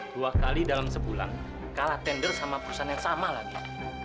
dua kali dalam sebulan kalah tender sama perusahaan yang sama lagi